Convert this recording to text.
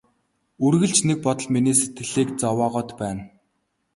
Үргэлж нэг бодол миний сэтгэлийг зовоогоод байна.